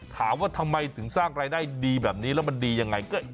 ถามว่าทำไมถึงสร้างรายได้ดีแบบนี้แล้วมันดียังไง